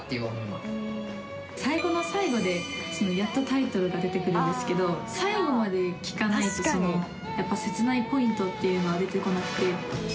亜樹ちゃん：最後の最後でやっと、タイトルが出てくるんですけど最後まで聴かないと切ないポイントっていうのは出てこなくて。